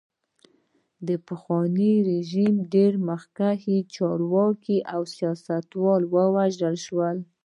د پخواني رژیم ډېر مخکښ چارواکي او سیاستوال ووژل شول.